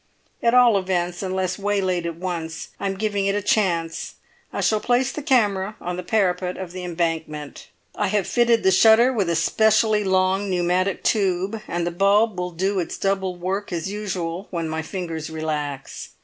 At all events, unless waylaid at once, I am giving it a chance. I shall place the camera on the parapet of the Embankment. I have fitted the shutter with a specially long pneumatic tube, and the bulb will do its double work as usual when my fingers relax.